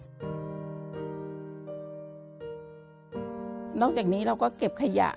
ทำงานชื่อนางหยาดฝนภูมิสุขอายุ๕๔ปี